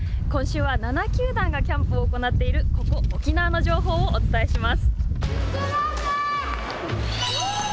７球団がキャンプを行っているここ、沖縄の情報をお伝えします。